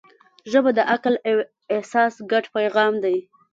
ژبه د عقل او احساس ګډ پیغام دی